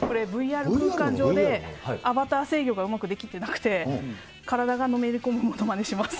これ、ＶＲ空間上で、アバター制御がうまくできてなくて、体がのめり込むものまねをします。